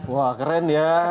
wah keren ya